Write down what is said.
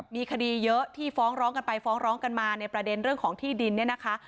มีคดีเยอะที่ฟ้องร้องกันไปฟ้องร้องกันมาในประเด็นเรื่องของที่ดินเนี่ยนะคะ